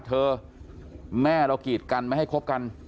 แม่เรากีดกันไม่ให้คบกัน